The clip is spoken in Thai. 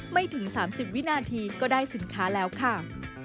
ไม่ถึง๓๐วินาทีก็ได้สินค้าแล้วค่ะ